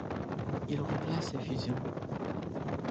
Il remplace la Fusion.